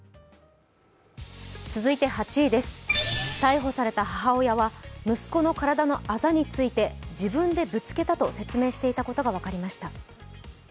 続いて８位です、逮捕された母親は息子の体のあざについて、自分でぶつけたと説明していたことが分かりました。